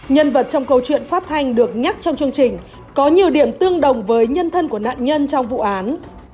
nhân vật trong câu chuyện phát thanh được nhắc trong chương trình có nhiều điểm tương đồng với nhân thân của nạn nhân trong vụ án